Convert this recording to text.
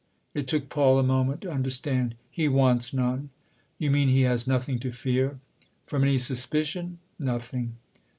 It took Paul a moment to understand. " He wants none." " You mean he has nothing to fear ?"" From any suspicion ? Nothing."